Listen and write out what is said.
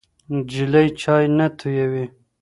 نجلۍ چای نه تویوي.